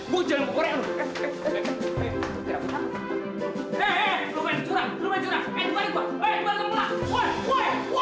gue jalan bukurek lo